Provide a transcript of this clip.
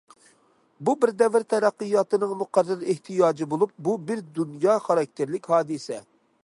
بۇ بىر دەۋر تەرەققىياتىنىڭ مۇقەررەر ئېھتىياجى بولۇپ، بۇ بىر دۇنيا خاراكتېرلىك ھادىسە.